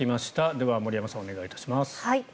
では、森山さんお願いいたします。